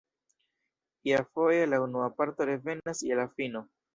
Iafoje la unua parto revenas je la fino.